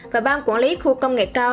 và ban quản lý khu công nghệ cao